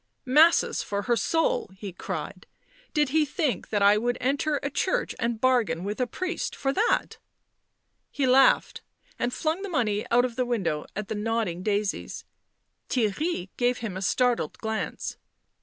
"Masses for her soul!" he cried. "Did he think that I would enter a church and bargain with a priest for that!" He laughed, and flung the money out of the window at the nodding daisies. Theirry gave him a startled glance.